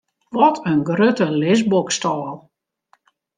Wat in grutte lisboksstâl!